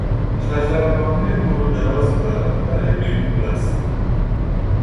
شجرهنامهی دور و درازی دارد ولی بی پول است.